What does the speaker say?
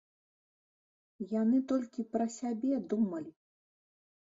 Яны толькі пра сябе думалі!